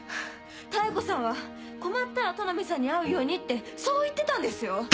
妙子さんは「困ったら都波さんに会うように」ってそう言ってたんですよ！